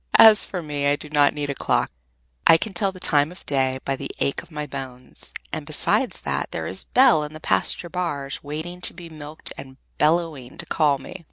As for me, I do not need a clock; I can tell the time of day by the ache in my bones; and, besides that, there is Bel at the pasture bars waiting to be milked and bellowing to call me."